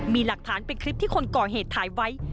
มีหลักฐานเป็นคลิปที่คนก่อเหตุถ่ายไว้